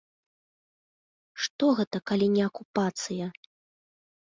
Што гэта, калі не акупацыя?